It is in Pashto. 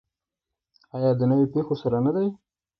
آیا د نویو پیښو سره نه دی؟